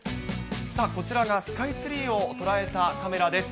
こちらがスカイツリーを捉えたカメラです。